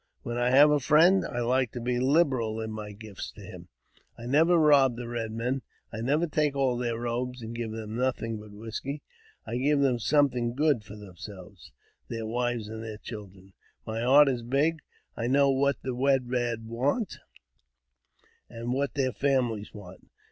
When I have a friend, I like to be liberal in my gifts to him. I never rob the Eed Men ; I never take all their robes and give them nothing but whisky. I give them something good for themselves, their wives, and their children. My heart is big ; I know what the Red Men want, and what their families want."